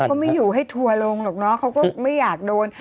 เขาก็ไม่อยู่ให้ถั่วลงหรอกเขาก็ไม่อยากโดน